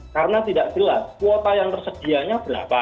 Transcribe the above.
karena tidak gelap kuota yang tersedianya berapa